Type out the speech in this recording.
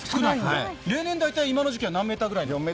例年大体今の時期は何メートルぐらい？